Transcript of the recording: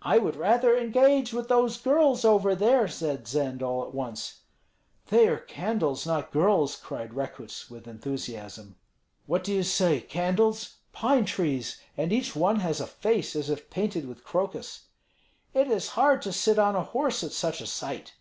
"I would rather engage with those girls over there," said Zend, all at once. "They are candles, not girls!" cried Rekuts, with enthusiasm. "What do you say, candles? Pine trees! And each one has a face as if painted with crocus." "It is hard to sit on a horse at such a sight."